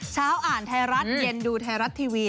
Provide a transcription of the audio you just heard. อ่านไทยรัฐเย็นดูไทยรัฐทีวี